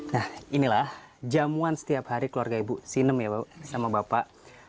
nah inilah jamuan setiap hari keluarga ibu sinem ya sama bapak